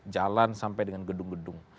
jalan sampai dengan gedung gedung